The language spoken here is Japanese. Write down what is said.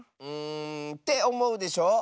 んっておもうでしょ？